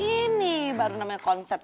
ini baru namanya konsep